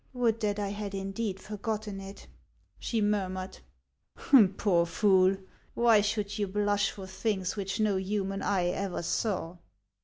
" Would that I had indeed forgotten it !" she murmured. " Poor fool ! Why should you blush for things which no human eye ever saw